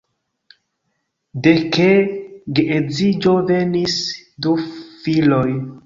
De ke geedziĝo venis du filoj.